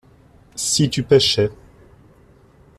Si tu pêchais.